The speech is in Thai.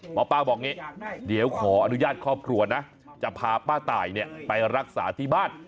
หมอปลาบอกอย่างนี้เดี๋ยวขออนุญาตครอบครัวนะจะพาป้าตายไปรักษาที่บ้าน